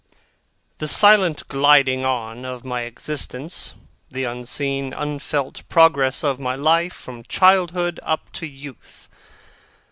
The silent gliding on of my existence the unseen, unfelt progress of my life from childhood up to youth!